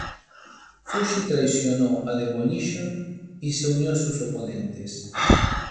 Fuji traicionó a Demolition y se unió a sus oponentes.